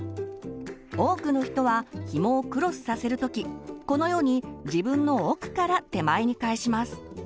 多くの人はひもをクロスさせる時このように自分の奥から手前に返します。